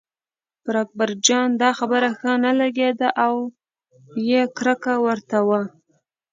پر اکبرجان دا خبره ښه نه لګېده او یې کرکه ورته وه.